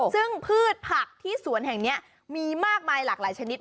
ซึ่งพืชผักที่สวนแห่งนี้มีมากมายหลากหลายชนิด